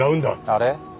あれ？